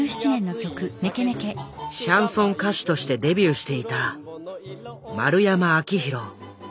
シャンソン歌手としてデビューしていた丸山明宏。